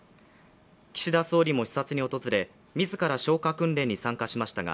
岸田総理も視察に訪れ、自ら消火訓練に参加しましたが